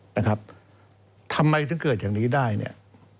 นะครับทำไมถึงเกิดอย่างนี้ได้เนี่ย